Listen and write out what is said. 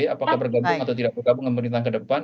apakah bergabung atau tidak bergabung pemerintahan ke depan